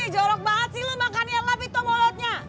jorok banget sih lu makan nyelap itu molotnya